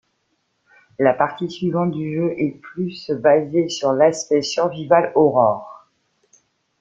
La partie suivante du jeu est plus basée sur l'aspect survival horror.